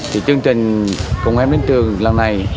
thì chương trình công an đến trường lần này